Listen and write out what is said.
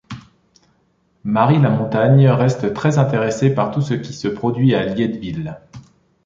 Marie Lamontagne reste très intéressée par tout ce qui se produit à Lietteville.